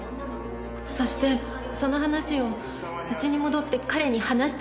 そしてその話を家に戻って彼に話したんです。